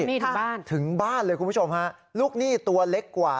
นี่ถึงบ้านถึงบ้านเลยคุณผู้ชมฮะลูกหนี้ตัวเล็กกว่า